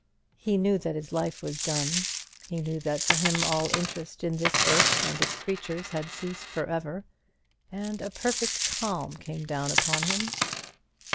He knew that his life was done; he knew that for him all interest in this earth and its creatures had ceased for ever; and a perfect calm came down upon him.